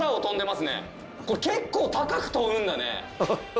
これ結構高く飛ぶんだね。